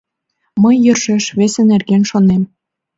Мый йӧршеш весе нерген шонем.